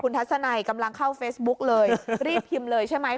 ทัศนัยกำลังเข้าเฟซบุ๊กเลยรีบพิมพ์เลยใช่ไหม